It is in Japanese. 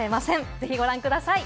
ぜひご覧ください。